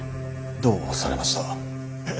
どうされました。